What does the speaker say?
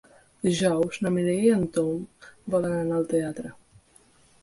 Dijous na Mireia i en Tom volen anar al teatre.